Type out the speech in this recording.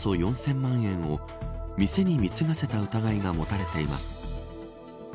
およそ４０００万円を店に貢がせた疑いが持たれています。